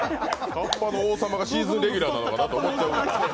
カッパの王様がシーズンレギュラーなのかなと思っちゃう。